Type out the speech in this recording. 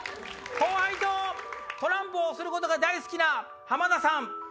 後輩とトランプをすることが大好きな浜田さん。